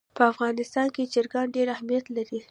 په افغانستان کې چرګان ډېر اهمیت لري.